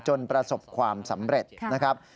ประสบความสำเร็จนะครับ